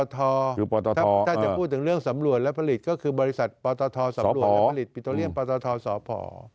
ถ้าจะพูดถึงเรื่องสำรวจและผลิตก็คือบริษัทปตทสำรวจและผลิตปิโตเรียมปตทสพ